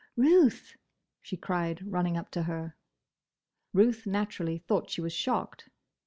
"Ruth!" she cried, running up to her. Ruth naturally thought she was shocked.